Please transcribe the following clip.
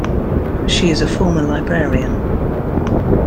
She is a former librarian.